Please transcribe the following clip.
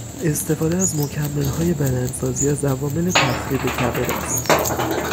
استفاده از مکملهای بدنسازی از عوامل تخریب کبد است